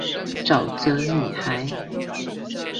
沼澤女孩